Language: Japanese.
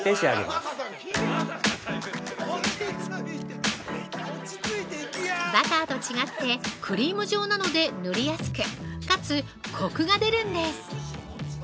◆バターと違ってクリーム状なので塗りやすく、かつコクが出るんです。